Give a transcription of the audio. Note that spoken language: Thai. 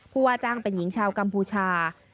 ว่าจ้างเป็นหญิงชาวกัมพูชา